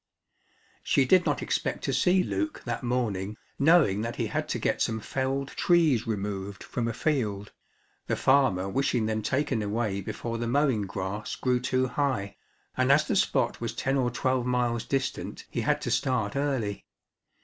She did not expect to see Luke that morning, knowing that he had to get some felled trees removed from a field, the farmer wishing them taken away before the mowing grass grew too high, and as the spot was ten or twelve miles distant he had to start early.